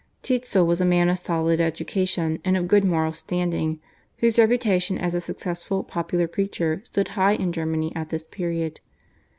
Tetzel was a man of solid education and of good moral standing, whose reputation as a successful popular preacher stood high in Germany at this period.